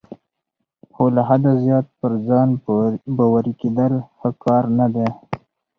خو له حده زیات پر ځان باوري کیدل ښه کار نه دی.